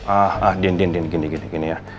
ah ah din din din gini gini ya